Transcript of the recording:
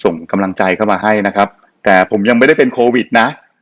ส่งกำลังใจเข้ามาให้นะครับแต่ผมยังไม่ได้เป็นโควิดนะ